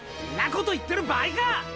んなこと言ってる場合か！